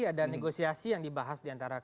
ada negosiasi yang dibahas diantara